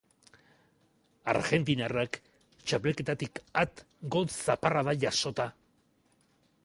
Argentinarrak, txapelketatik at gol-zaparrada jasota.